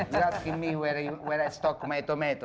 kamu bertanya saya di mana saya mencari tomatku